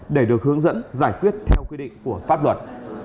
để được hướng dẫn giải quyết theo quy định của pháp luật